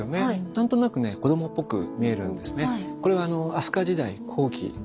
何となくね子どもっぽく見えるんですね。